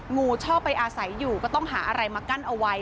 งูชอบไปอาศัยอยู่ก็ต้องหาอะไรมากั้นเอาไว้